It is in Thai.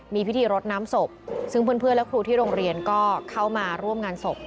มีพิธีรดน้ำศพซึ่งเพื่อนและครูที่โรงเรียนก็เข้ามาร่วมงานศพ